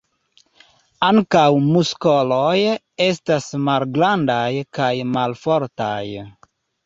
Ankaŭ muskoloj estas malgrandaj kaj malfortaj.